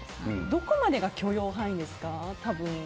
どこまでが許容範囲ですか？